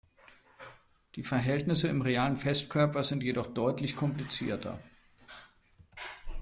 Die Verhältnisse im realen Festkörper sind jedoch deutlich komplizierter.